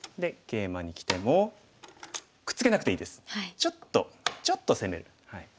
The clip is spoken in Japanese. ちょっとちょっと攻める。